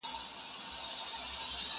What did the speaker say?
غرونه ډک له داړه مارو کلي ډک دي له خونکارو٫